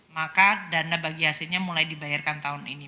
maka dana bagi hasilnya mulai dibayarkan tahun ini